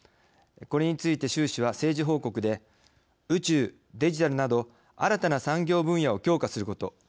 これについて習氏は政治報告で宇宙・デジタルなど新たな産業分野を強化すること。